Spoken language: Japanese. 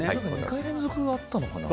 ２回連続があったのかな。